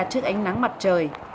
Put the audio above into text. trước ánh nắng mặt trời